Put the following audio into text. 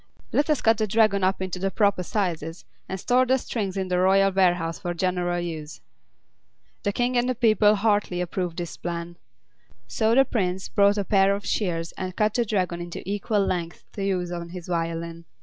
Let us cut the Dragon up into the proper sizes, and store the strings in the royal warehouse for general use." The King and the people heartily approved this plan. So the Prince brought a pair of shears and cut the Dragon into equal lengths to use on his violin.